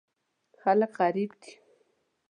خلک غریب دي.